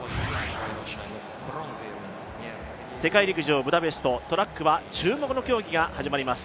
世界陸上ブダペストトラックは注目の競技が始まります。